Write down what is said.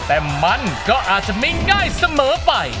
แต่มันก็อาจจะไม่ง่ายเสมอไป